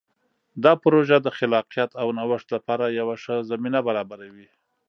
دا پروژه د خلاقیت او نوښت لپاره یوه ښه زمینه برابروي.